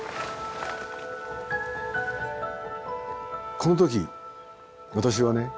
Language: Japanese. この時私はね